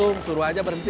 langsung suruh aja berhenti